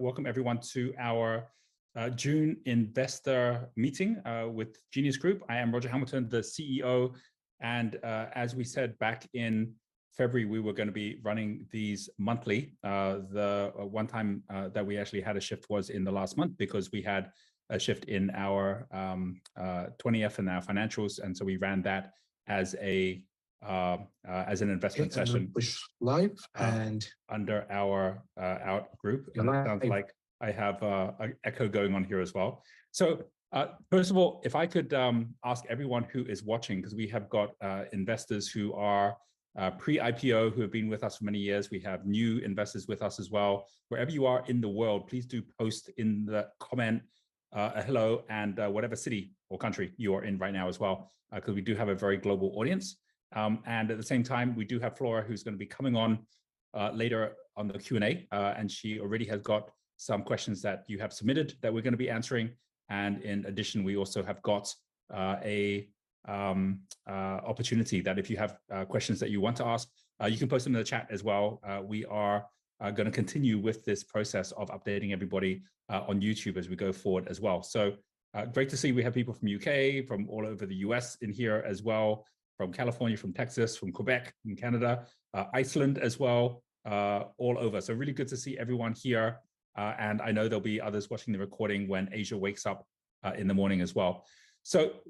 Welcome everyone to our June investor meeting with Genius Group. I am Roger Hamilton, the CEO, and as we said back in February, we were gonna be running these monthly. The one time that we actually had a shift was in the last month because we had a shift in our 20-F and our financials, so we ran that as an investment session Live under our out group. It sounds like I have a echo going on here as well. First of all, if I could ask everyone who is watching, 'cause we have got investors who are pre-IPO, who have been with us for many years. We have new investors with us as well. Wherever you are in the world, please do post in the comment, a hello and whatever city or country you are in right now as well, 'cause we do have a very global audience. At the same time, we do have Flora, who's gonna be coming on later on the Q&A. She already has got some questions that you have submitted that we're gonna be answering, and in addition, we also have got a opportunity that if you have questions that you want to ask, you can post them in the chat as well. We are gonna continue with this process of updating everybody on YouTube as we go forward as well. Great to see we have people from UK, from all over the US in here as well, from California, from Texas, from Quebec, from Canada, Iceland as well, all over. Really good to see everyone here, and I know there'll be others watching the recording when Asia wakes up in the morning as well.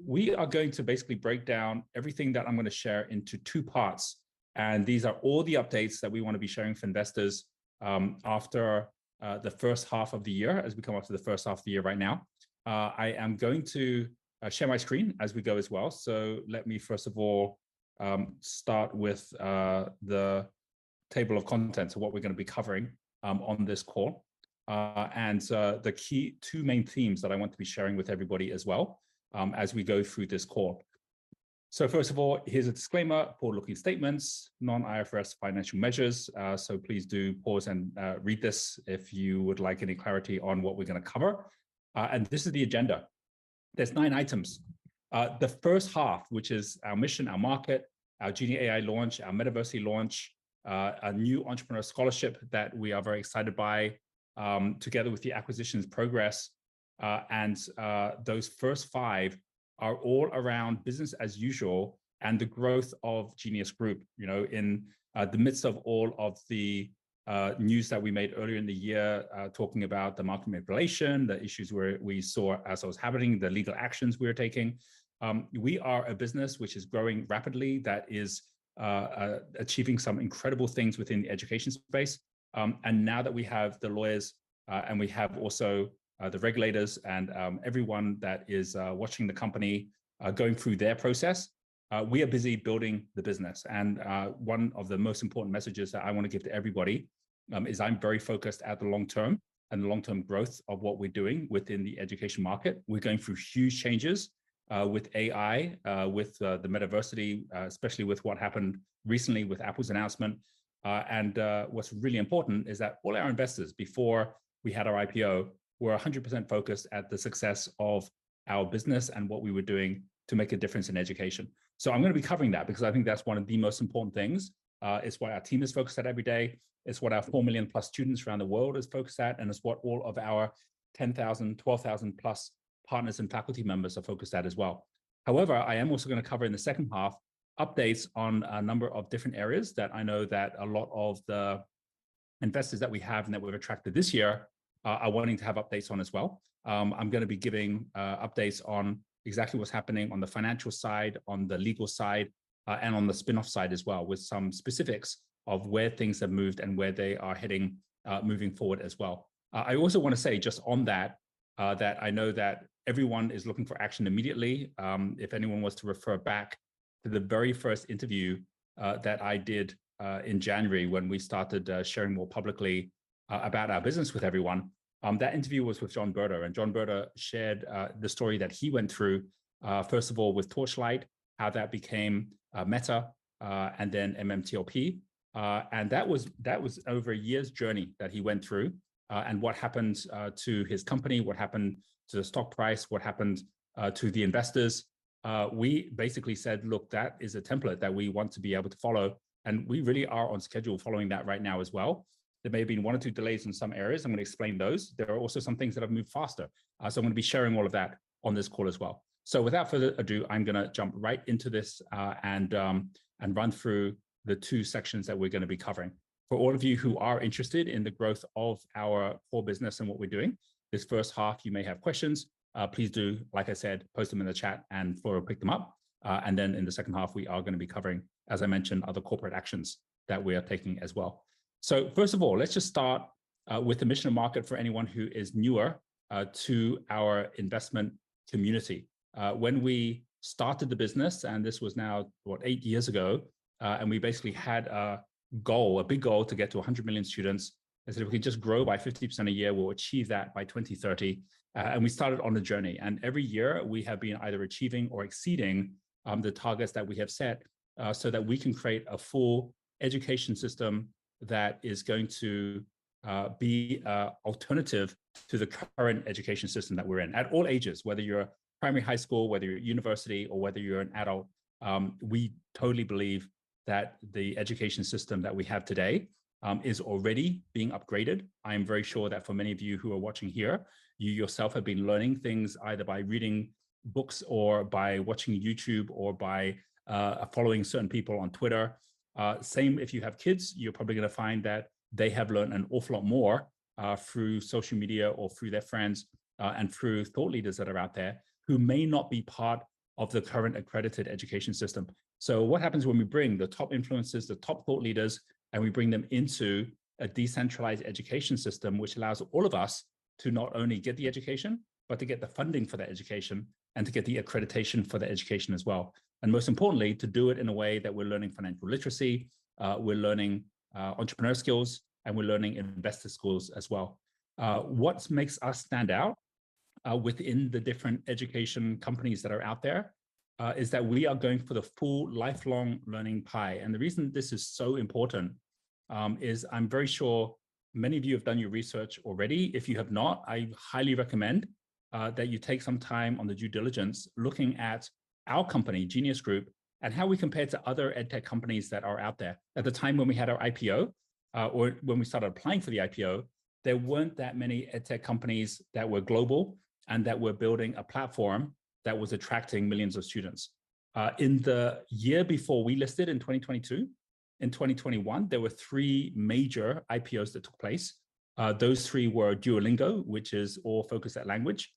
We are going to basically break down everything that I'm gonna share into two parts, and these are all the updates that we wanna be sharing for investors, after the first half of the year, as we come up to the first half of the year right now. I am going to share my screen as we go as well. Let me first of all, start with the table of contents of what we're gonna be covering on this call. The key two main themes that I want to be sharing with everybody as well, as we go through this call. First of all, here's a disclaimer, forward-looking statements, non-IFRS financial measures. Please do pause and read this if you would like any clarity on what we're gonna cover. This is the agenda. There's nine items. The first half, which is our mission, our market, our Gen AI launch, our Metaversity launch, a new entrepreneur scholarship that we are very excited by, together with the acquisitions progress. Those first five are all around business as usual and the growth of Genius Group. You know, in the midst of all of the news that we made earlier in the year, talking about the market manipulation, the issues where we saw as it was happening, the legal actions we are taking. We are a business which is growing rapidly, that is achieving some incredible things within the education space. Now that we have the lawyers, and we have also the regulators and everyone that is watching the company, going through their process, we are busy building the business. One of the most important messages that I want to give to everybody, is I'm very focused at the long term and the long-term growth of what we're doing within the education market. We're going through huge changes with AI, with the Metaversity, especially with what happened recently with Apple's announcement. What's really important is that all our investors, before we had our IPO, were 100% focused at the success of our business and what we were doing to make a difference in education. I'm gonna be covering that because I think that's one of the most important things. It's what our team is focused on every day. It's what our four million plus students around the world is focused at, and it's what all of our 10,000-12,000 plus partners and faculty members are focused at as well. However, I am also gonna cover in the second half, updates on a number of different areas that I know that a lot of the investors that we have and that we've attracted this year, are wanting to have updates on as well. I'm gonna be giving updates on exactly what's happening on the financial side, on the legal side, and on the spin-off side as well, with some specifics of where things have moved and where they are heading, moving forward as well. I also want to say just on that I know that everyone is looking for action immediately. If anyone was to refer back to the very first interview that I did in January, when we started sharing more publicly about our business with everyone, that interview was with John Berta. John Berta, shared the story that he went through, first of all, with Torchlight, how that became Meta, and then MMTLP. That was over a year's journey that he went through, and what happened to his company, what happened to the stock price, what happened to the investors. We basically said, "Look, that is a template that we want to be able to follow," and we really are on schedule following that right now as well. There may have been one or two delays in some areas. I'm gonna explain those. There are also some things that have moved faster. I'm gonna be sharing all of that on this call as well. Without further ado, I'm gonna jump right into this, and run through the two sections that we're gonna be covering. For all of you who are interested in the growth of our core business and what we're doing, this first half, you may have questions. Please do, like I said, post them in the chat and Flora will pick them up. Then in the second half, we are gonna be covering, as I mentioned, other corporate actions that we are taking as well. First of all, let's just start with the mission and market for anyone who is newer to our investment community. When we started the business, and this was now, what, 8 years ago, and we basically had a goal, a big goal, to get to 100 million students. I said, "If we can just grow by 50% a year, we'll achieve that by 2030." We started on the journey, and every year, we have been either achieving or exceeding, the targets that we have set, so that we can create a full education system that is going to be a alternative to the current education system that we're in. At all ages, whether you're primary, high school, whether you're university, or whether you're an adult, we totally believe that the education system that we have today, is already being upgraded. I am very sure that for many of you who are watching here, you yourself have been learning things either by reading books or by watching YouTube or by following certain people on Twitter. Same if you have kids, you're probably gonna find that they have learned an awful lot more through social media or through their friends and through thought leaders that are out there, who may not be part of the current accredited education system. What happens when we bring the top influencers, the top thought leaders, and we bring them into a decentralized education system, which allows all of us to not only get the education, but to get the funding for that education, and to get the accreditation for the education as well. Most importantly, to do it in a way that we're learning financial literacy, we're learning entrepreneur skills, and we're learning investor skills as well. What makes us stand out within the different education companies that are out there, is that we are going for the full lifelong learning pie. The reason this is so important is I'm very sure many of you have done your research already. If you have not, I highly recommend that you take some time on the due diligence, looking at our company, Genius Group, and how we compare to other EdTech companies that are out there. At the time when we had our IPO, or when we started applying for the IPO, there weren't that many EdTech companies that were global and that were building a platform that was attracting millions of students. In the year before we listed in 2022, in 2021, there were three major IPOs that took place. Those three were Duolingo, which is all focused at language,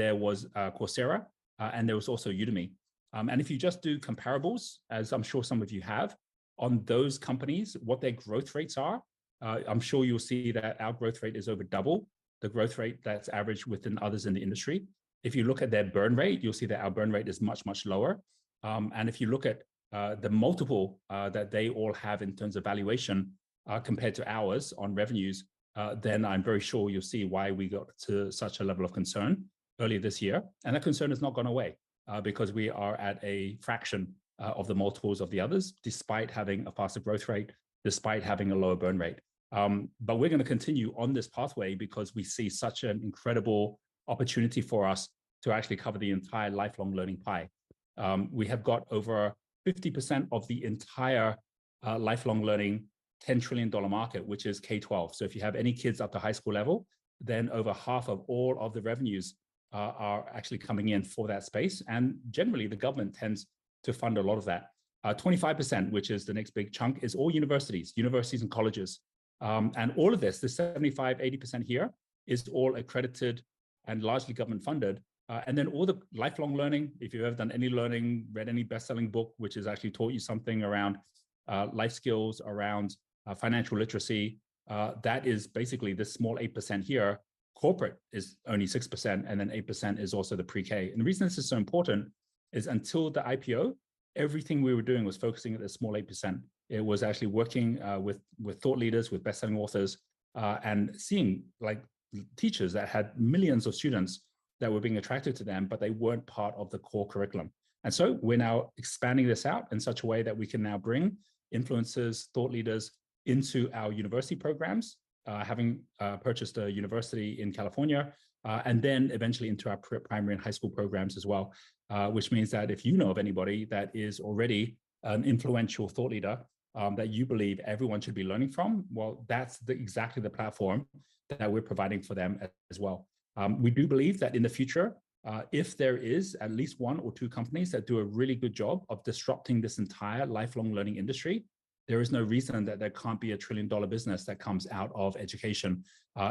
there was Coursera, and there was also Udemy. If you just do comparables, as I'm sure some of you have, on those companies, what their growth rates are, I'm sure you'll see that our growth rate is over double the growth rate that's averaged within others in the industry. If you look at their burn rate, you'll see that our burn rate is much, much lower. If you look at the multiple that they all have in terms of valuation, compared to ours on revenues, then I'm very sure you'll see why we got to such a level of concern earlier this year. That concern has not gone away because we are at a fraction of the multiples of the others, despite having a faster growth rate, despite having a lower burn rate. We're gonna continue on this pathway because we see such an incredible opportunity for us to actually cover the entire lifelong learning pie. We have got over 50% of the entire lifelong learning $10 trillion market, which is K-12. If you have any kids up to high school level, then over half of all of the revenues are actually coming in for that space, and generally, the government tends to fund a lot of that. 25%, which is the next big chunk, is all universities and colleges. All of this, the 75%-80% here, is all accredited and largely government-funded. All the lifelong learning, if you've ever done any learning, read any bestselling book, which has actually taught you something around life skills, around financial literacy, that is basically this small 8% here. Corporate is only 6%, then 8% is also the pre-K. The reason this is so important is, until the IPO, everything we were doing was focusing on this small 8%. It was actually working with thought leaders, with bestselling authors, and seeing, like, teachers that had millions of students that were being attracted to them, but they weren't part of the core curriculum. We're now expanding this out in such a way that we can now bring influencers, thought leaders into our university programs, having purchased a university in California, and then eventually into our primary and high school programs as well. Which means that if you know of anybody that is already an influential thought leader, that you believe everyone should be learning from, well, that's exactly the platform that we're providing for them as well. We do believe that in the future, if there is at least one or two companies that do a really good job of disrupting this entire lifelong learning industry, there is no reason that there can't be a trillion-dollar business that comes out of education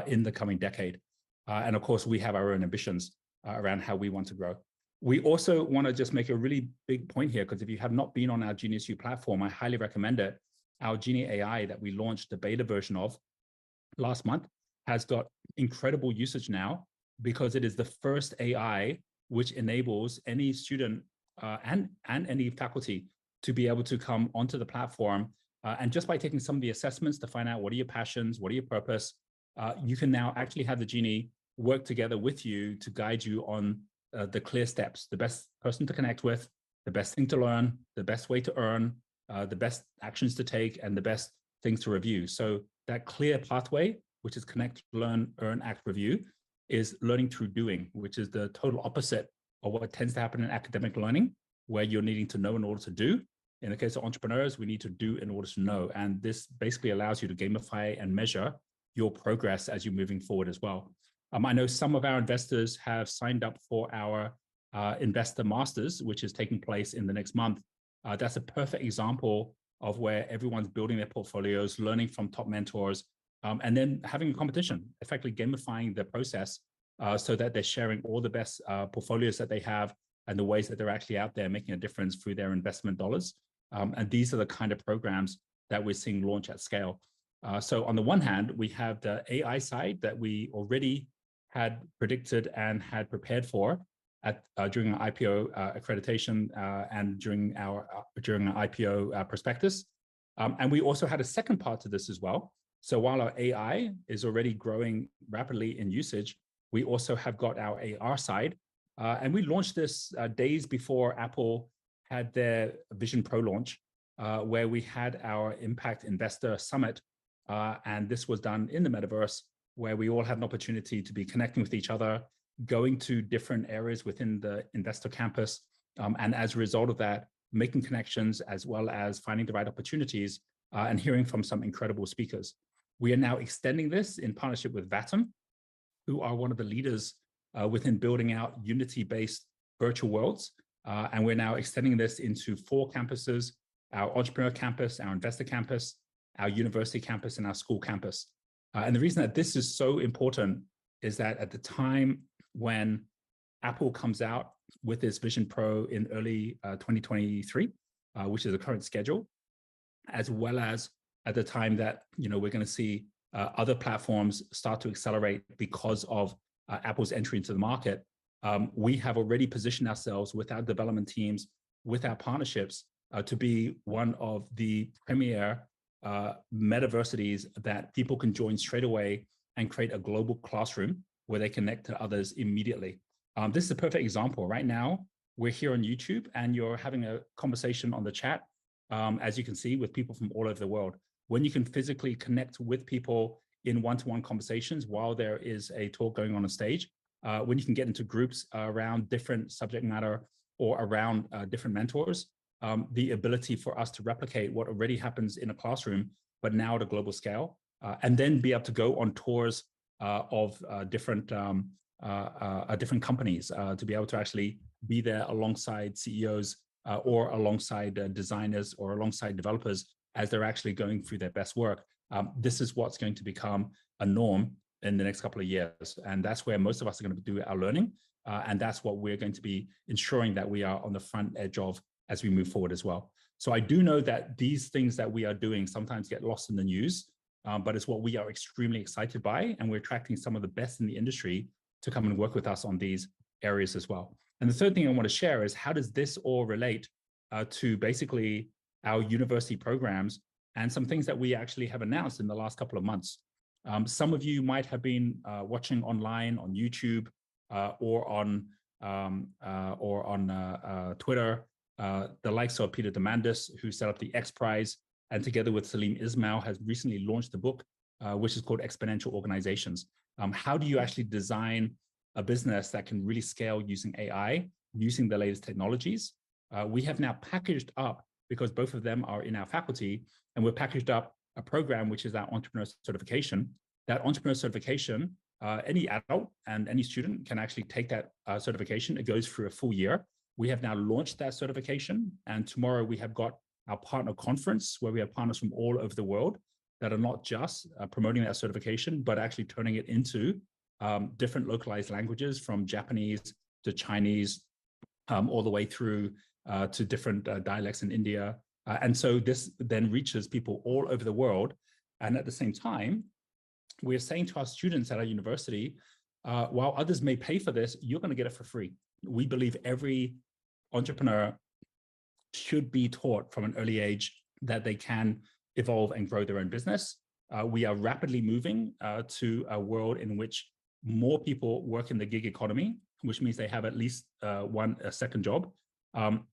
in the coming decade. Of course, we have our own ambitions around how we want to grow. We also want to just make a really big point here, 'cause if you have not been on our GeniusU platform, I highly recommend it. Our Genie AI, that we launched the beta version of last month, has got incredible usage now, because it is the first AI which enables any student and any faculty to be able to come onto the platform and just by taking some of the assessments to find out what are your passions, what are your purpose, you can now actually have the Genie work together with you to guide you on the clear steps, the best person to connect with, the best thing to learn, the best way to earn, the best actions to take, and the best things to review. That clear pathway, which is connect, learn, earn, act, review, is learning through doing, which is the total opposite of what tends to happen in academic learning, where you're needing to know in order to do. In the case of entrepreneurs, we need to do in order to know, and this basically allows you to gamify and measure your progress as you're moving forward as well. I know some of our investors have signed up for our Investor Masters, which is taking place in the next month. That's a perfect example of where everyone's building their portfolios, learning from top mentors, and then having a competition, effectively gamifying the process, so that they're sharing all the best portfolios that they have and the ways that they're actually out there making a difference through their investment dollars. These are the kind of programs that we're seeing launch at scale. On the one hand, we have the AI side that we already had predicted and had prepared for at during our IPO accreditation, and during our IPO prospectus. We also had a second part to this as well. While our AI is already growing rapidly in usage, we also have got our AR side. We launched this days before Apple had their Vision Pro launch, where we had our Impact Investor Summit. This was done in the Metaverse, where we all had an opportunity to be connecting with each other, going to different areas within the investor campus. As a result of that, making connections as well as finding the right opportunities, and hearing from some incredible speakers. We are now extending this in partnership with Vatom, who are one of the leaders within building out unity-based virtual worlds. We're now extending this into four campuses: our entrepreneur campus, our investor campus, our university campus, and our school campus. The reason that this is so important is that at the time when Apple comes out with its Vision Pro in early, 2023, which is the current schedule, as well as at the time that, you know, we're gonna see other platforms start to accelerate because of Apple's entry into the market. We have already positioned ourselves with our development teams, with our partnerships, to be one of the premier metaversities that people can join straight away and create a global classroom, where they connect to others immediately. This is a perfect example. Right now, we're here on YouTube, and you're having a conversation on the chat, as you can see, with people from all over the world. When you can physically connect with people in one-to-one conversations while there is a talk going on on stage, when you can get into groups around different subject matter or around different mentors, the ability for us to replicate what already happens in a classroom, but now at a global scale. And then be able to go on tours of different companies to be able to actually be there alongside CEOs or alongside designers or alongside developers as they're actually going through their best work. This is what's going to become a norm in the next couple of years, and that's where most of us are gonna do our learning, and that's what we're going to be ensuring that we are on the front edge of as we move forward as well. I do know that these things that we are doing sometimes get lost in the news, but it's what we are extremely excited by, and we're attracting some of the best in the industry to come and work with us on these areas as well. The third thing I want to share is, how does this all relate to basically our university programs and some things that we actually have announced in the last couple of months? Some of you might have been watching online, on YouTube, or on Twitter, the likes of Peter Diamandis, who set up the XPRIZE, and together with Salim Ismail, has recently launched a book, which is called Exponential Organizations. How do you actually design a business that can really scale using AI, using the latest technologies? We have now packaged up, because both of them are in our faculty, and we've packaged up a program which is our entrepreneur certification. That entrepreneur certification, any adult and any student can actually take that certification. It goes for a full year. We have now launched that certification. Tomorrow we have got our partner conference, where we have partners from all over the world that are not just promoting that certification but actually turning it into different localized languages, from Japanese to Chinese, all the way through to different dialects in India. This then reaches people all over the world, and at the same time, we're saying to our students at our university, "While others may pay for this, you're gonna get it for free." We believe every entrepreneur should be taught from an early age that they can evolve and grow their own business. We are rapidly moving to a world in which more people work in the gig economy, which means they have at least a second job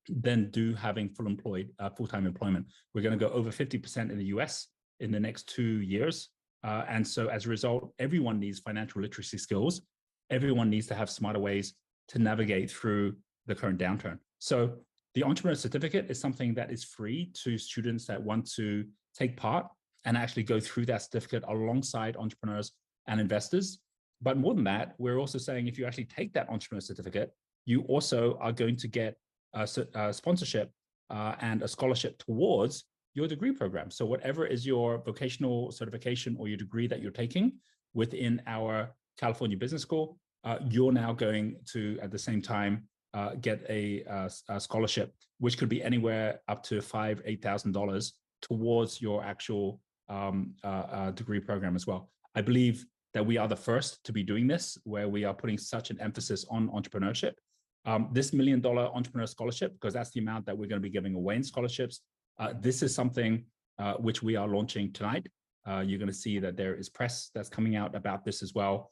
than do having full-time employment. We're going to go over 50% in the US in the next two years. As a result, everyone needs financial literacy skills. Everyone needs to have smarter ways to navigate through the current downturn. The entrepreneur certificate is something that is free to students that want to take part and actually go through that certificate alongside entrepreneurs and investors. More than that, we're also saying if you actually take that entrepreneur certificate, you also are going to get a sponsorship and a scholarship towards your degree program. Whatever is your vocational certification or your degree that you're taking within our California Business School, you're now going to, at the same time, get a scholarship, which could be anywhere up to $5,000-$8,000 towards your actual degree program as well. I believe that we are the first to be doing this, where we are putting such an emphasis on entrepreneurship. This $1 million entrepreneur scholarship, 'cause that's the amount that we're going to be giving away in scholarships, this is something which we are launching tonight. You're going to see that there is press that's coming out about this as well.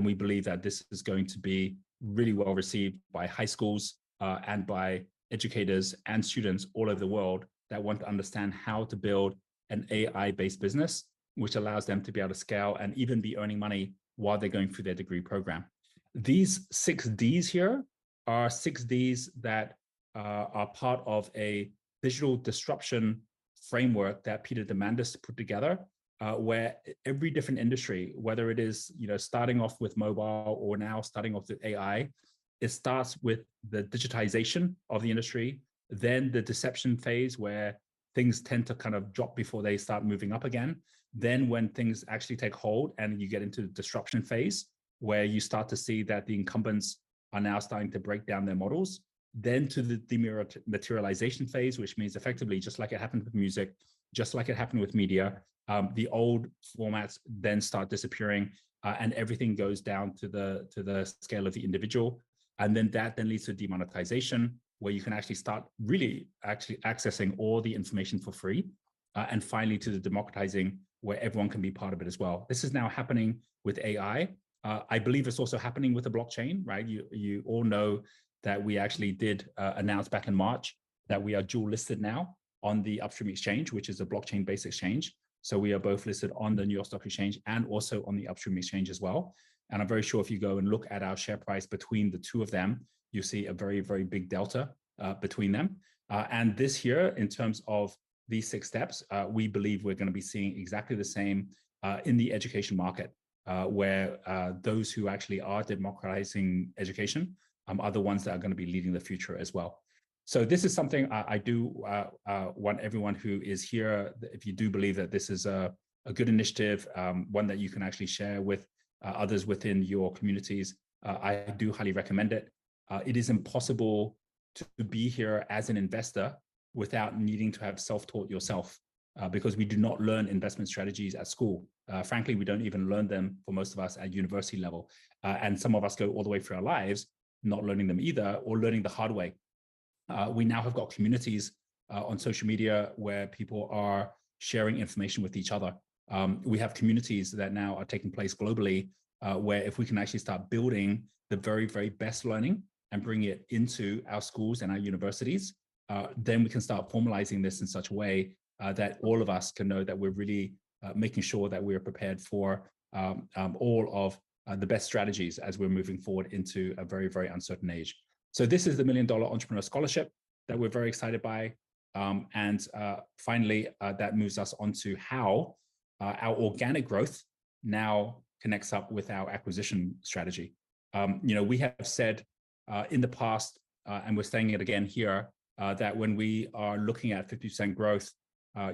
We believe that this is going to be really well-received by high schools, and by educators and students all over the world that want to understand how to build an AI-based business, which allows them to be able to scale and even be earning money while they're going through their degree program. These Six Ds here are Six Ds that are part of a digital disruption framework that Peter Diamandis put together, where every different industry, whether it is, you know, starting off with mobile or now starting off with AI, it starts with the digitization of the industry. The deception phase, where things tend to kind of drop before they start moving up again. When things actually take hold, and you get into the disruption phase, where you start to see that the incumbents are now starting to break down their models. Then to the dematerialization phase, which means effectively, just like it happened with music, just like it happened with media, the old formats then start disappearing, and everything goes down to the scale of the individual. That then leads to demonetization, where you can actually start really actually accessing all the information for free. Finally, to the democratizing, where everyone can be part of it as well. This is now happening with AI. I believe it's also happening with the blockchain, right? You all know that we actually did announce back in March that we are dual-listed now on the Upstream Exchange, which is a blockchain-based exchange. We are both listed on the New York Stock Exchange and also on the Upstream Exchange as well. I'm very sure if you go and look at our share price between the two of them, you'll see a very, very big delta, between them. This year, in terms of these six steps, we believe we're gonna be seeing exactly the same, in the education market, where those who actually are democratizing education, are the ones that are gonna be leading the future as well. This is something I do want everyone who is here, if you do believe that this is a good initiative, one that you can actually share with others within your communities, I do highly recommend it. It is impossible to be here as an investor without needing to have self-taught yourself, because we do not learn investment strategies at school. Frankly, we don't even learn them, for most of us, at university level. Some of us go all the way through our lives not learning them either or learning the hard way. We now have got communities on social media, where people are sharing information with each other. We have communities that now are taking place globally, where if we can actually start building the very, very best learning and bring it into our schools and our universities, then we can start formalizing this in such a way that all of us can know that we're really making sure that we are prepared for all of the best strategies as we're moving forward into a very, very uncertain age. This is the $1 Million Entrepreneur Scholarship that we're very excited by. Finally, that moves us on to how our organic growth now connects up with our acquisition strategy. You know, we have said in the past, and we're saying it again here, that when we are looking at 50% growth,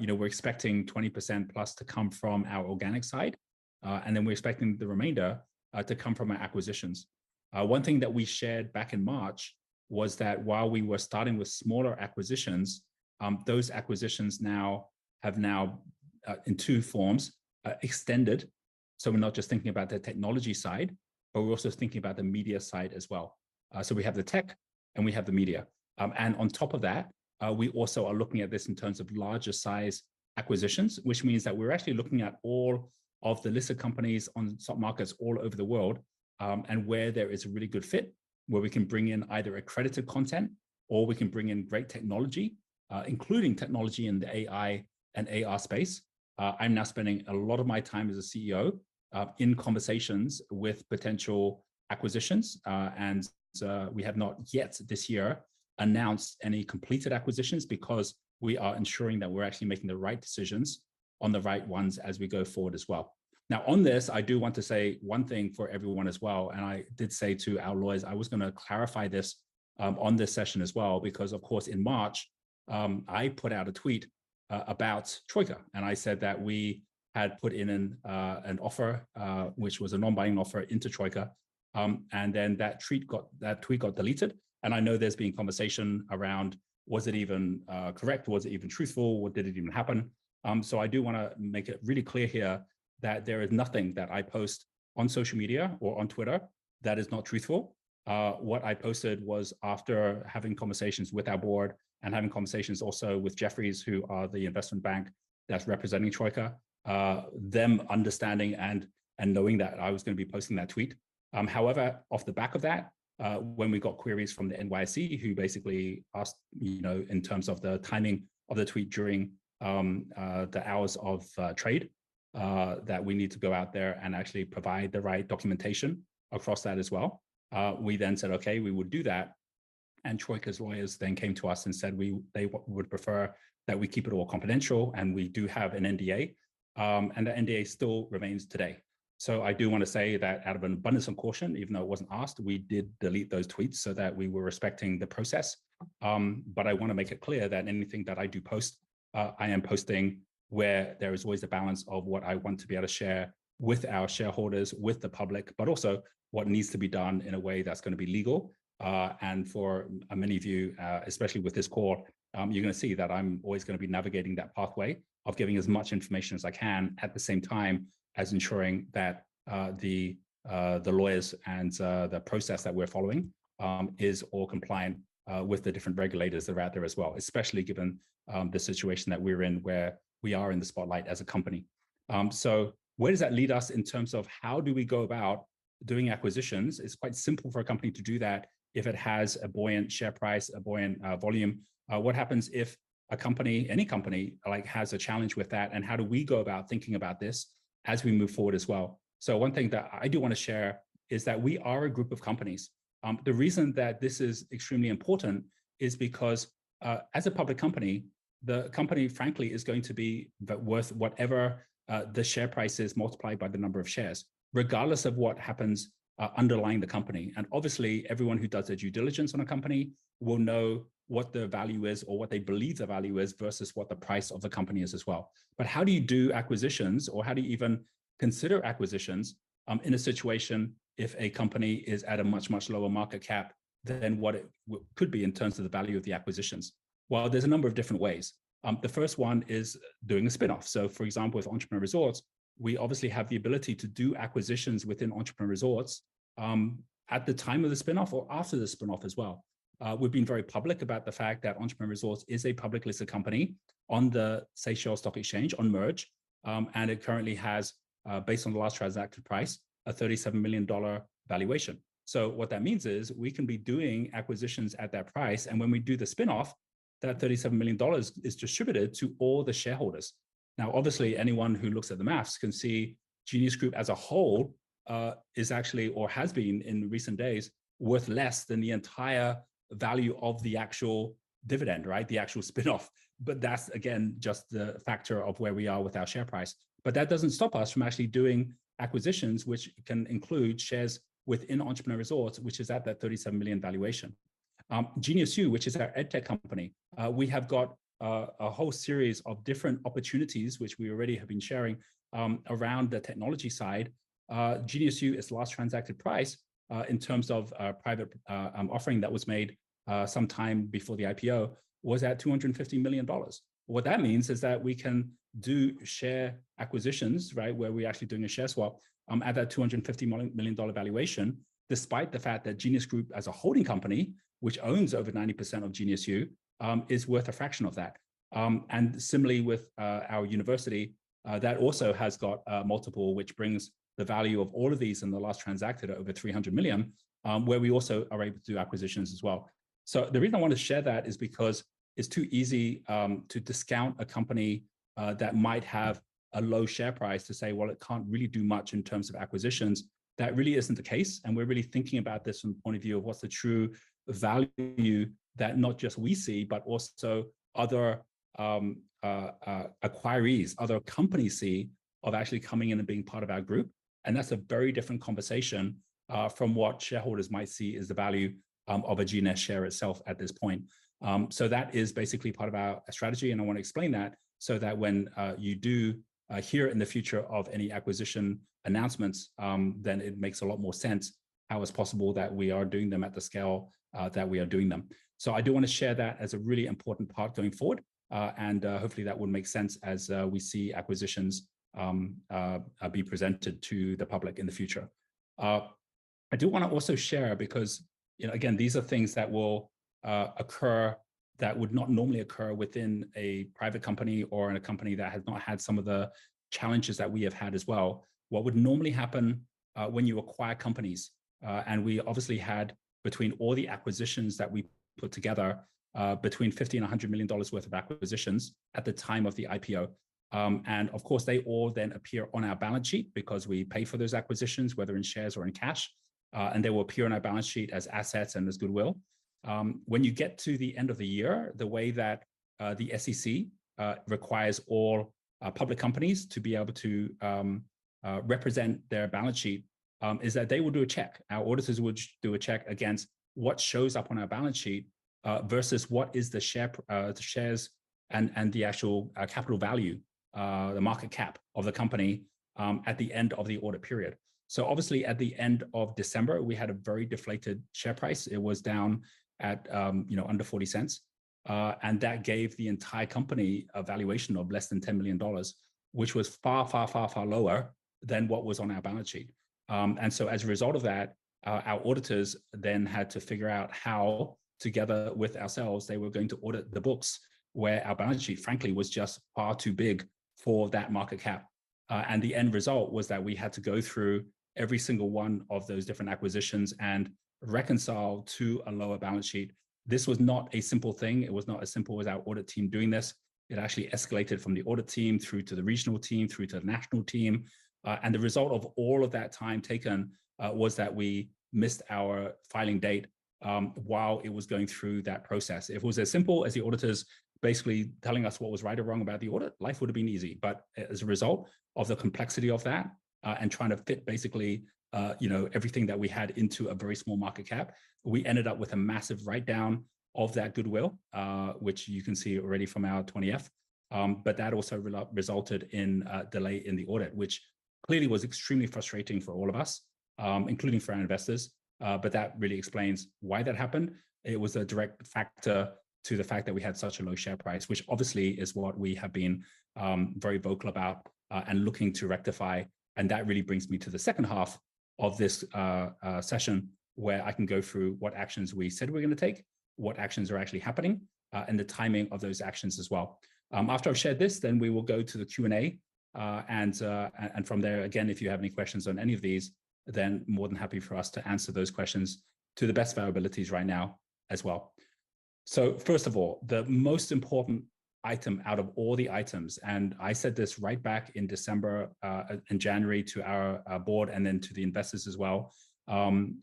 you know, we're expecting 20% plus to come from our organic side, and then we're expecting the remainder to come from our acquisitions. One thing that we shared back in March was that while we were starting with smaller acquisitions, those acquisitions now have in two forms extended. We're not just thinking about the technology side, but we're also thinking about the media side as well. We have the tech, and we have the media. On top of that, we also are looking at this in terms of larger-size acquisitions, which means that we're actually looking at all of the listed companies on stock markets all over the world, and where there is a really good fit, where we can bring in either accredited content, or we can bring in great technology, including technology in the AI and AR space. I'm now spending a lot of my time as a CEO, in conversations with potential acquisitions, and we have not yet, this year, announced any completed acquisitions because we are ensuring that we're actually making the right decisions on the right ones as we go forward as well. Now, on this, I do want to say one thing for everyone as well, and I did say to our lawyers I was gonna clarify this on this session as well, because, of course, in March, I put out a tweet about Troika, and I said that we had put in an offer, which was a non-buying offer into Troika. That tweet got deleted, and I know there's been conversation around was it even correct? Was it even truthful, or did it even happen? I do wanna make it really clear here that there is nothing that I post on social media or on Twitter that is not truthful. What I posted was after having conversations with our board and having conversations also with Jefferies, who are the investment bank that's representing Troika, them understanding and knowing that I was gonna be posting that tweet. Off the back of that, when we got queries from the NYSE, who basically asked, you know, in terms of the timing of the tweet during the hours of trade, that we need to go out there and actually provide the right documentation across that as well, we then said, "Okay, we will do that," and Troika's lawyers then came to us and said they would prefer that we keep it all confidential, and we do have an NDA, the NDA still remains today. I do want to say that out of an abundance of caution, even though I wasn't asked, we did delete those tweets so that we were respecting the process. I wanna make it clear that anything that I do post, I am posting where there is always a balance of what I want to be able to share with our shareholders, with the public, but also what needs to be done in a way that's gonna be legal. For many of you, especially with this core, you're gonna see that I'm always gonna be navigating that pathway of giving as much information as I can, at the same time as ensuring that the lawyers and the process that we're following is all compliant with the different regulators that are out there as well, especially given the situation that we're in, where we are in the spotlight as a company. Where does that lead us in terms of how do we go about doing acquisitions? It's quite simple for a company to do that if it has a buoyant share price, a buoyant volume. What happens if a company, any company, like, has a challenge with that, and how do we go about thinking about this as we move forward as well? One thing that I do wanna share is that we are a group of companies. The reason that this is extremely important is because, as a public company, the company, frankly, is going to be worth whatever, the share price is multiplied by the number of shares, regardless of what happens, underlying the company. Obviously, everyone who does their due diligence on a company will know what the value is or what they believe the value is versus what the price of the company is as well. How do you do acquisitions, or how do you even consider acquisitions, in a situation, if a company is at a much, much lower market cap than what it could be in terms of the value of the acquisitions? There's a number of different ways. The first one is doing a spin-off. For example, with Entrepreneur Resorts, we obviously have the ability to do acquisitions within Entrepreneur Resorts, at the time of the spin-off or after the spin-off as well. We've been very public about the fact that Entrepreneur Resorts is a publicly listed company on the Seychelles stock exchange on MERJ, and it currently has, based on the last transacted price, a $37 million valuation. What that means is we can be doing acquisitions at that price, and when we do the spin-off, that $37 million is distributed to all the shareholders. Obviously, anyone who looks at the math can see Genius Group as a whole, is actually, or has been in recent days, worth less than the entire value of the actual dividend, right? The actual spin-off. That's, again, just the factor of where we are with our share price. That doesn't stop us from actually doing acquisitions, which can include shares within Entrepreneur Resorts, which is at that $37 million valuation. GeniusU, which is our EdTech company, we have got a whole series of different opportunities, which we already have been sharing around the technology side. GeniusU, its last transacted price, in terms of private offering that was made sometime before the IPO, was at $250 million. What that means is that we can do share acquisitions, right? Where we're actually doing a share swap, at that $250 million dollar valuation, despite the fact that Genius Group, as a holding company, which owns over 90% of GeniusU, is worth a fraction of that. Similarly with our university, that also has got a multiple, which brings the value of all of these in the last transacted over $300 million, where we also are able to do acquisitions as well. The reason I want to share that is because it's too easy to discount a company that might have a low share price to say, "Well, it can't really do much in terms of acquisitions." That really isn't the case, and we're really thinking about this from the point of view of what's the true value that not just we see, but also other acquirees, other companies see of actually coming in and being part of our group. That's a very different conversation from what shareholders might see as the value of a GNET share itself at this point. That is basically part of our strategy, and I want to explain that so that when you do hear in the future of any acquisition announcements, then it makes a lot more sense how it's possible that we are doing them at the scale that we are doing them. I do want to share that as a really important part going forward, and hopefully, that will make sense as we see acquisitions be presented to the public in the future. I do wanna also share, because, you know, again, these are things that will occur that would not normally occur within a private company or in a company that has not had some of the challenges that we have had as well. What would normally happen, when you acquire companies, and we obviously had between all the acquisitions that we put together, between $50 million and $100 million worth of acquisitions at the time of the IPO. Of course, they all then appear on our balance sheet because we pay for those acquisitions, whether in shares or in cash, and they will appear on our balance sheet as assets and as goodwill. When you get to the end of the year, the way that, the SEC, requires all, public companies to be able to, represent their balance sheet, is that they will do a check. Our auditors will do a check against what shows up on our balance sheet, versus what is the share, the shares and the actual capital value, the market cap of the company, at the end of the audit period. Obviously, at the end of December, we had a very deflated share price. It was down at, you know, under $0.40, and that gave the entire company a valuation of less than $10 million, which was far, far, far, far lower than what was on our balance sheet. As a result of that, our auditors then had to figure out how, together with ourselves, they were going to audit the books, where our balance sheet, frankly, was just far too big for that market cap. The end result was that we had to go through every single one of those different acquisitions and reconcile to a lower balance sheet. This was not a simple thing. It was not as simple as our audit team doing this. It actually escalated from the audit team through to the regional team, through to the national team. The result of all of that time taken, was that we missed our filing date, while it was going through that process. If it was as simple as the auditors basically telling us what was right or wrong about the audit, life would have been easy. As a result of the complexity of that, and trying to fit basically, you know, everything that we had into a very small market cap, we ended up with a massive write-down of that goodwill, which you can see already from our 20-F. That also resulted in a delay in the audit, which clearly was extremely frustrating for all of us, including for our investors. That really explains why that happened. It was a direct factor to the fact that we had such a low share price, which obviously is what we have been, very vocal about, and looking to rectify. That really brings me to the second half of this session, where I can go through what actions we said we're gonna take, what actions are actually happening, and the timing of those actions as well. After I've shared this, then we will go to the Q&A, and from there, again, if you have any questions on any of these, then more than happy for us to answer those questions to the best of our abilities right now as well. First of all, the most important item out of all the items, and I said this right back in December, in January to our board and then to the investors as well.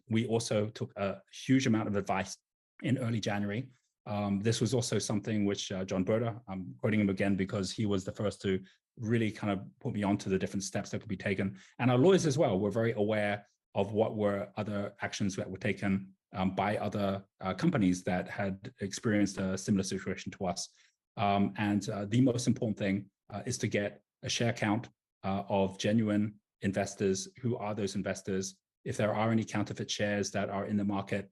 We also took a huge amount of advice in early January. This was also something which John Broder, I'm quoting him again because he was the first to really kind of put me onto the different steps that could be taken. Our lawyers as well, were very aware of what were other actions that were taken by other companies that had experienced a similar situation to us. The most important thing is to get a share count of genuine investors. Who are those investors? If there are any counterfeit shares that are in the market,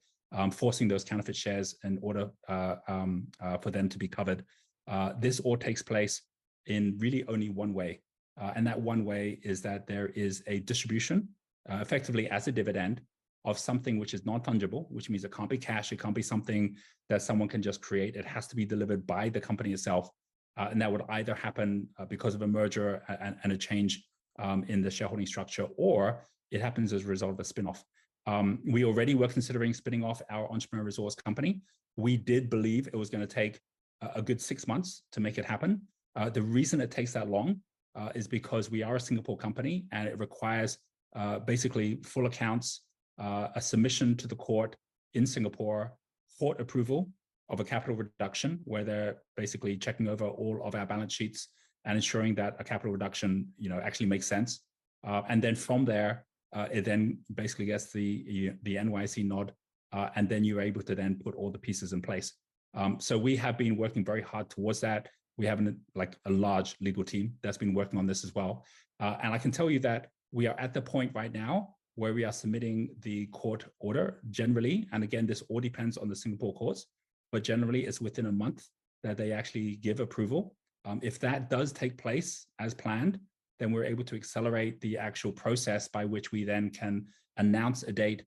forcing those counterfeit shares in order for them to be covered. This all takes place in really only one way, and that one way is that there is a distribution effectively as a dividend-... of something which is not tangible, which means it can't be cash, it can't be something that someone can just create. It has to be delivered by the company itself, and that would either happen because of a merger and a change in the shareholding structure, or it happens as a result of a spin-off. We already were considering spinning off our Entrepreneur Resorts company. We did believe it was gonna take a good six months to make it happen. The reason it takes that long is because we are a Singapore company, and it requires basically full accounts, a submission to the court in Singapore for approval of a capital reduction, where they're basically checking over all of our balance sheets and ensuring that a capital reduction, you know, actually makes sense. Then from there, it then basically gets the NYC nod, and then you're able to then put all the pieces in place. We have been working very hard towards that. We have like, a large legal team that's been working on this as well. I can tell you that we are at the point right now where we are submitting the court order. Generally, and again, this all depends on the Singapore courts, generally, it's within a month that they actually give approval. If that does take place as planned, then we're able to accelerate the actual process by which we then can announce a date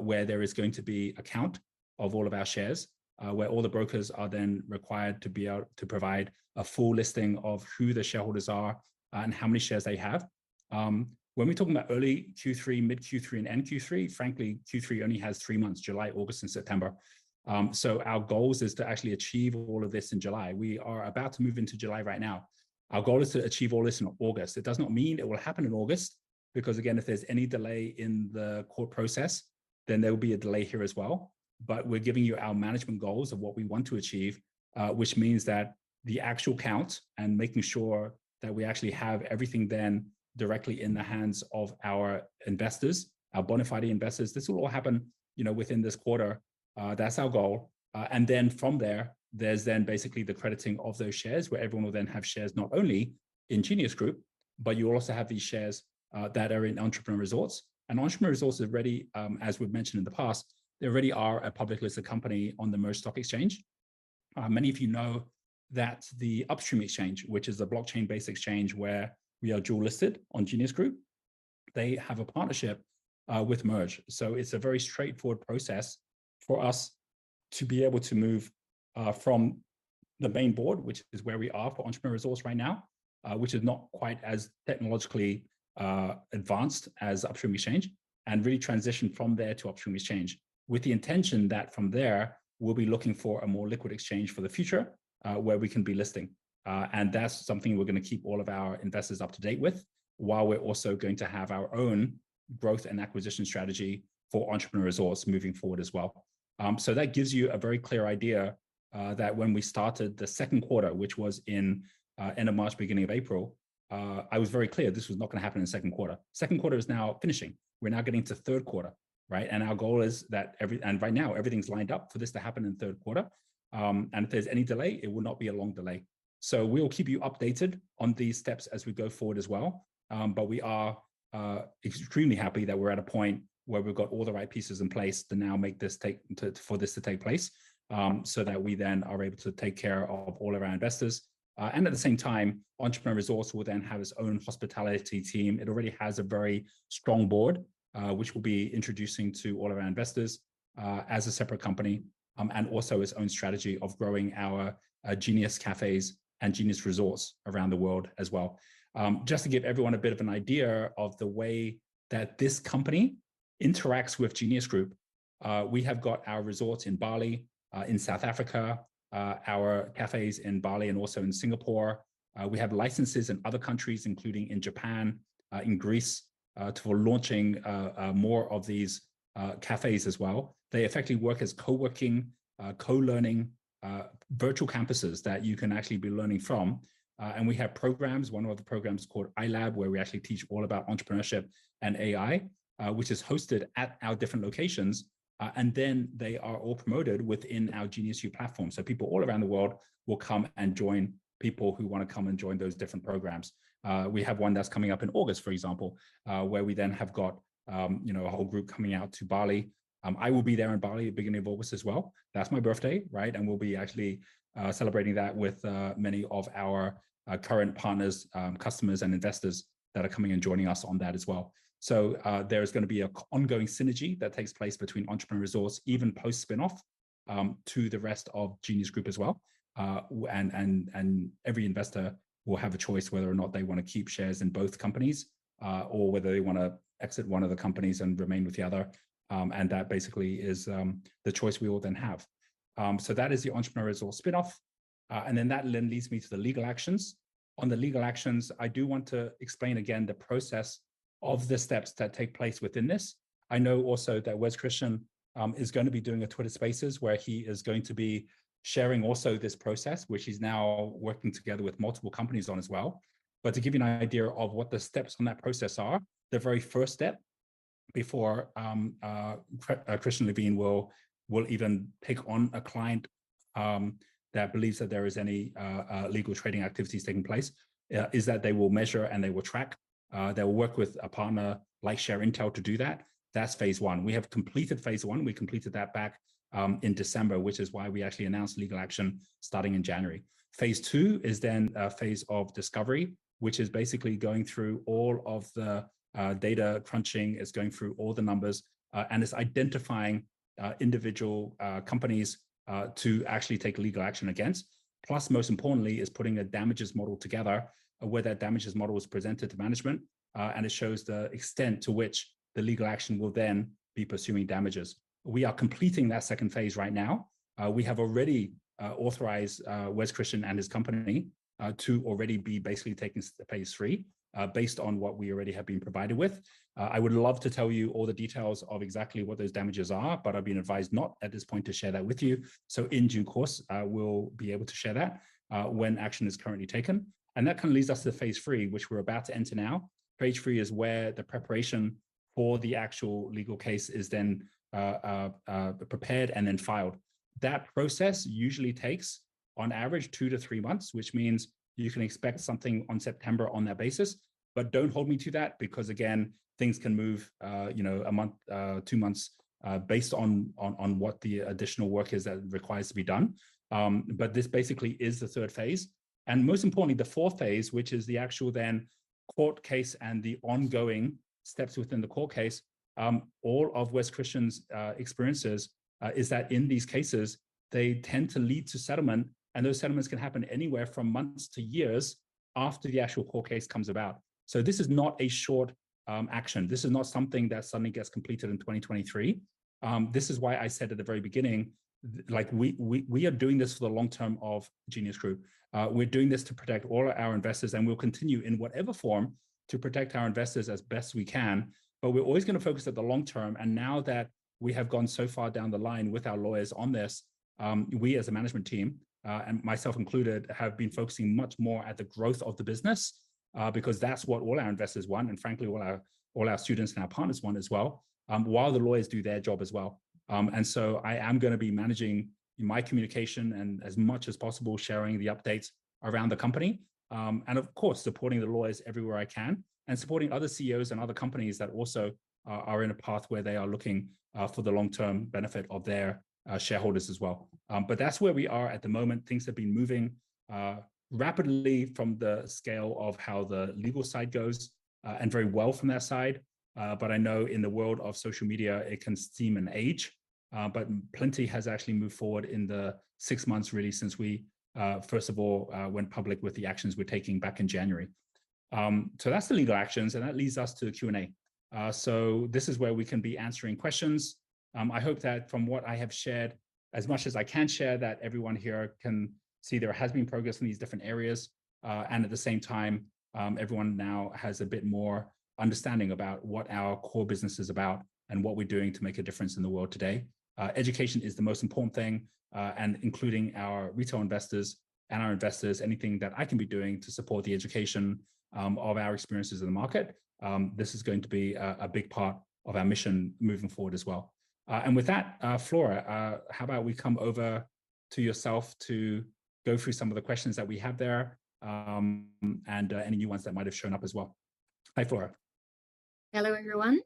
where there is going to be a count of all of our shares where all the brokers are then required to be able to provide a full listing of who the shareholders are and how many shares they have. When we're talking about early Q3, mid-Q3, and end Q3, frankly, Q3 only has three months: July, August, and September. Our goals is to actually achieve all of this in July. We are about to move into July right now. Our goal is to achieve all this in August. It does not mean it will happen in August, because, again, if there's any delay in the court process, then there will be a delay here as well. We're giving you our management goals of what we want to achieve, which means that the actual count and making sure that we actually have everything then directly in the hands of our investors, our bona fide investors, this will all happen, you know, within this quarter. That's our goal. Then from there's then basically the crediting of those shares, where everyone will then have shares not only in Genius Group, but you will also have these shares that are in Entrepreneur Resorts. Entrepreneur Resorts is already, as we've mentioned in the past, they already are a publicly listed company on the MERJ Exchange. Many of you know that the Upstream Exchange, which is a blockchain-based exchange where we are dual-listed on Genius Group, they have a partnership with MERJ. It's a very straightforward process for us to be able to move from the main board, which is where we are for Entrepreneur Resorts right now, which is not quite as technologically advanced as Upstream Exchange, and really transition from there to Upstream Exchange, with the intention that from there, we'll be looking for a more liquid exchange for the future, where we can be listing. That's something we're gonna keep all of our investors up to date with, while we're also going to have our own growth and acquisition strategy for Entrepreneur Resorts moving forward as well. That gives you a very clear idea that when we started the second quarter, which was in end of March, beginning of April, I was very clear this was not gonna happen in the second quarter. Second quarter is now finishing. We're now getting to third quarter, right? Our goal is that right now, everything's lined up for this to happen in the third quarter. If there's any delay, it will not be a long delay. We'll keep you updated on these steps as we go forward as well. We are extremely happy that we're at a point where we've got all the right pieces in place to now for this to take place, so that we then are able to take care of all of our investors. At the same time, Entrepreneur Resorts will then have its own hospitality team. It already has a very strong board, which we'll be introducing to all of our investors, as a separate company, and also its own strategy of growing our Genius cafes and Genius Resorts around the world as well. Just to give everyone a bit of an idea of the way that this company interacts with Genius Group, we have got our resorts in Bali, in South Africa, our cafes in Bali and also in Singapore. We have licenses in other countries, including in Japan, in Greece, for launching more of these cafes as well. They effectively work as co-working, co-learning, virtual campuses that you can actually be learning from. We have programs, one of the programs called iLab, where we actually teach all about entrepreneurship and AI, which is hosted at our different locations, and then they are all promoted within our GeniusU platform. People all around the world will come and join people who wanna come and join those different programs. We have one that's coming up in August, for example, where we then have got, you know, a whole group coming out to Bali. I will be there in Bali at the beginning of August as well. That's my birthday, right? We'll be actually celebrating that with many of our current partners, customers, and investors that are coming and joining us on that as well. There is gonna be a ongoing synergy that takes place between Entrepreneur Resorts, even post-spin-off, to the rest of Genius Group as well. Every investor will have a choice whether or not they want to keep shares in both companies, or whether they wanna exit one of the companies and remain with the other. That basically is the choice we will then have. That is the Entrepreneur Resorts spin-off, that then leads me to the legal actions. On the legal actions, I do want to explain again the process of the steps that take place within this. I know also that Wes Christian is gonna be doing a Twitter Spaces where he is going to be sharing also this process, which he's now working together with multiple companies on as well. To give you an idea of what the steps on that process are, the very first step before Christian Levine will even take on a client that believes that there is any illegal trading activities taking place, is that they will measure and they will track. They will work with a partner like ShareIntel to do that. That's phase I. We have completed phase I. We completed that back in December, which is why we actually announced legal action starting in January. Phase II is then a phase of discovery, which is basically going through all of the data crunching. It's going through all the numbers, and it's identifying individual companies to actually take legal action against. Most importantly, is putting a damages model together, where that damages model is presented to management, and it shows the extent to which the legal action will then be pursuing damages. We are completing that second phase right now. We have already authorized Wes Christian and his company to already be basically taking phase III based on what we already have been provided with. I would love to tell you all the details of exactly what those damages are, but I've been advised not, at this point, to share that with you. In due course, I will be able to share that when action is currently taken. That kind of leads us to phase III, which we're about to enter now. Phase III is where the preparation for the actual legal case is then prepared and then filed. That process usually takes, on average, two to three months, which means you can expect something on September on that basis. Don't hold me to that because, again, things can move, you know, a month, two months, based on what the additional work is that requires to be done. This basically is the third phase. Most importantly, the fourth phase, which is the actual then court case and the ongoing steps within the court case, all of Wes Christian's experiences is that in these cases, they tend to lead to settlement, and those settlements can happen anywhere from months to years after the actual court case comes about. This is not a short action. This is not something that suddenly gets completed in 2023. This is why I said at the very beginning, like, we are doing this for the long term of Genius Group. We're doing this to protect all our investors, and we'll continue in whatever form to protect our investors as best we can, but we're always gonna focus at the long term. Now that we have gone so far down the line with our lawyers on this, we as a management team, and myself included, have been focusing much more at the growth of the business, because that's what all our investors want, and frankly, all our, all our students and our partners want as well, while the lawyers do their job as well. I am gonna be managing my communication, and as much as possible, sharing the updates around the company, and of course, supporting the lawyers everywhere I can, and supporting other CEOs and other companies that also are in a path where they are looking for the long-term benefit of their shareholders as well. That's where we are at the moment. Things have been moving rapidly from the scale of how the legal side goes, and very well from their side. I know in the world of social media, it can seem an age, but plenty has actually moved forward in the six months, really, since we first of all went public with the actions we're taking back in January. That's the legal actions, and that leads us to the Q&A. This is where we can be answering questions. I hope that from what I have shared, as much as I can share, that everyone here can see there has been progress in these different areas. At the same time, everyone now has a bit more understanding about what our core business is about and what we're doing to make a difference in the world today. Education is the most important thing, and including our retail investors and our investors, anything that I can be doing to support the education of our experiences in the market, this is going to be a big part of our mission moving forward as well. With that, Flora, how about we come over to yourself to go through some of the questions that we have there, and any new ones that might have shown up as well? Hi, Flora. Hello, everyone.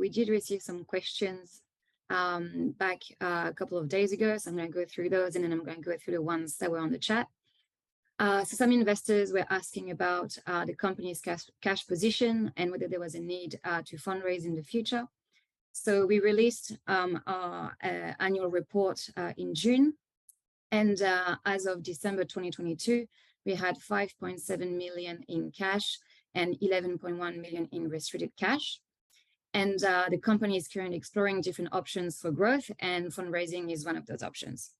We did receive some questions back a couple of days ago, I'm gonna go through those, and then I'm gonna go through the ones that were on the chat. Some investors were asking about the company's cash position and whether there was a need to fundraise in the future. We released our annual report in June, as of December 2022, we had $5.7 million in cash and $11.1 million in restricted cash. The company is currently exploring different options for growth, and fundraising is one of those options.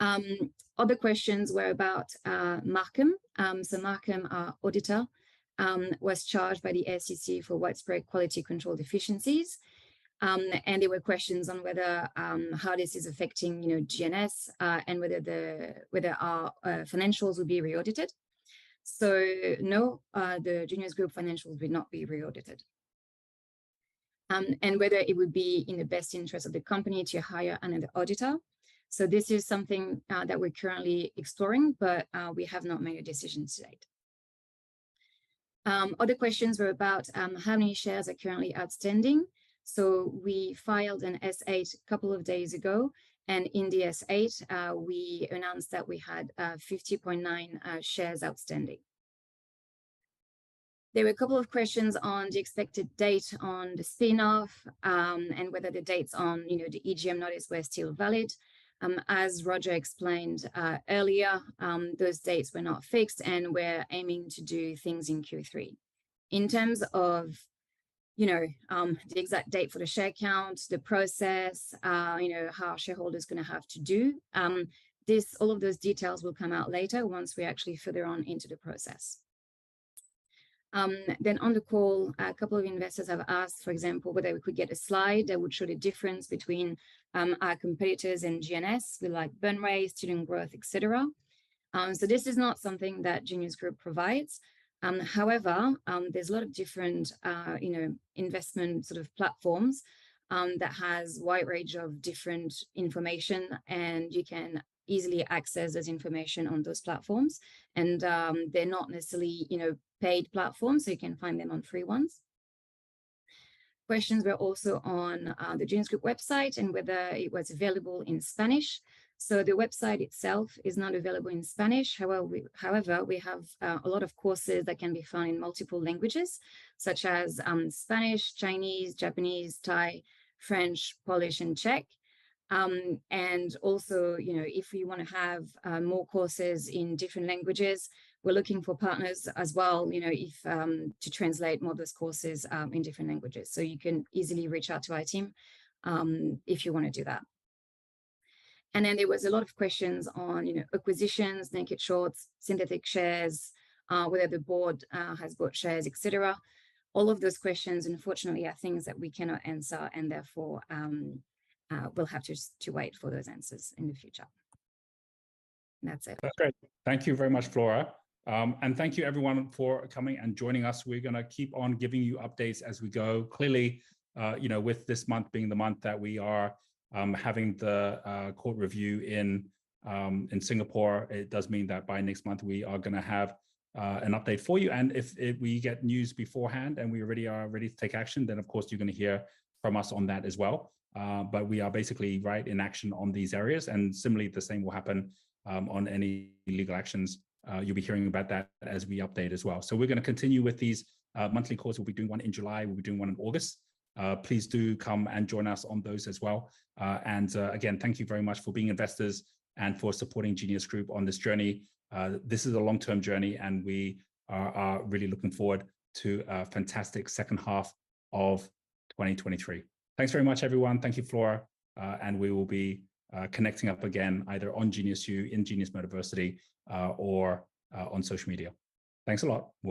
Other questions were about Marcum. Marcum, our auditor, was charged by the SEC for widespread quality control deficiencies. There were questions on whether. how this is affecting, you know, GNS, and whether our financials will be re-audited. No, the Genius Group financials will not be re-audited. Whether it would be in the best interest of the company to hire another auditor. This is something that we're currently exploring, but we have not made a decision to date. Other questions were about how many shares are currently outstanding. We filed an S-8 a couple of days ago, and in the S-8, we announced that we had 50.9 shares outstanding. There were a couple of questions on the expected date on the spin-off, and whether the dates on, you know, the EGM notice were still valid. As Roger explained, earlier, those dates were not fixed, and we're aiming to do things in Q3. In terms of, you know, the exact date for the share count, the process, you know, how shareholders are gonna have to do, all of those details will come out later once we actually further on into the process. On the call, a couple of investors have asked, for example, whether we could get a slide that would show the difference between our competitors and GNS, with like burn rate, student growth, et cetera. This is not something that Genius Group provides. However, there's a lot of different, you know, investment sort of platforms that has wide range of different information, and you can easily access this information on those platforms. They're not necessarily, you know, paid platforms, so you can find them on free ones. Questions were also on the Genius Group website and whether it was available in Spanish. The website itself is not available in Spanish. However, we have a lot of courses that can be found in multiple languages, such as Spanish, Chinese, Japanese, Thai, French, Polish, and Czech. Also, you know, if we wanna have more courses in different languages, we're looking for partners as well, you know, if to translate more of those courses in different languages. You can easily reach out to our team if you wanna do that. There was a lot of questions on, you know, acquisitions, naked shorts, synthetic shares, whether the board has bought shares, et cetera. All of those questions, unfortunately, are things that we cannot answer, and therefore, we'll have to wait for those answers in the future. That's it. That's great. Thank you very much, Flora. Thank you everyone for coming and joining us. We're gonna keep on giving you updates as we go. Clearly, you know, with this month being the month that we are having the court review in Singapore, it does mean that by next month we are gonna have an update for you. If we get news beforehand, and we already are ready to take action, then, of course, you're gonna hear from us on that as well. We are basically right in action on these areas, and similarly, the same will happen on any legal actions. You'll be hearing about that as we update as well. We're gonna continue with these monthly calls. We'll be doing one in July, we'll be doing one in August. Please do come and join us on those as well. Again, thank you very much for being investors and for supporting Genius Group on this journey. This is a long-term journey, and we are really looking forward to a fantastic second half of 2023. Thanks very much, everyone. Thank you, Flora, and we will be connecting up again, either on GeniusU, in Genius Metaversity, or on social media. Thanks a lot.